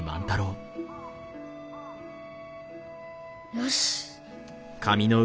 よし。